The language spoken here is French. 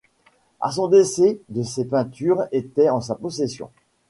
À son décès, de ses peintures étaient en sa possession.